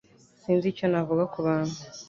Sinzi icyo navuga kubantu.